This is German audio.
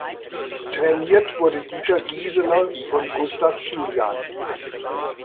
Trainiert wurde Dieter Gieseler von Gustav Kilian.